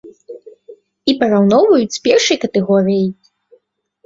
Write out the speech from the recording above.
І параўноўваюць з першай катэгорыяй.